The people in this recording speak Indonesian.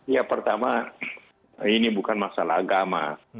ya pertama ini bukan masalah agama